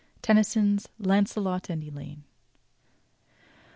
Tennyson's "Lancelot and Elaine."